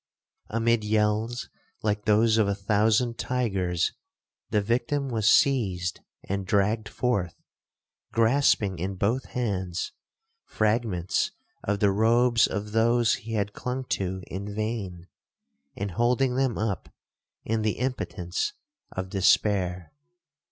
Amid yells like those of a thousand tigers, the victim was seized and dragged forth, grasping in both hands fragments of the robes of those he had clung to in vain, and holding them up in the impotence of despair.